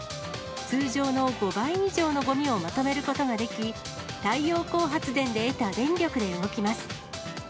通常の５倍以上のごみをまとめることができ、太陽光発電で得た電力で動きます。